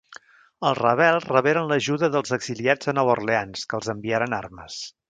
Els rebels reberen l'ajuda dels exiliats a Nova Orleans, que els enviaren armes.